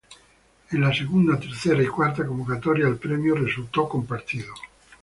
En la segunda, tercera y cuarta convocatoria el Premio resultó Compartido.